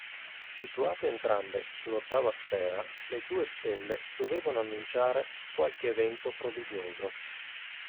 Situate entrambe sull'ottava sfera, le due stelle dovevano annunciare qualche evento prodigioso.